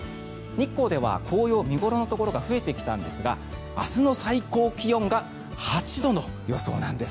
日光では紅葉見頃のところが増えてきたんですが明日の最高気温が８度の予想なんです。